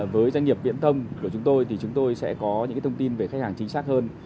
với doanh nghiệp viễn thông của chúng tôi thì chúng tôi sẽ có những thông tin về khách hàng chính xác hơn